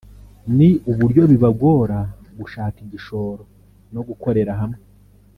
ni uburyo bibagora gushaka igishoro no gukorera hamwe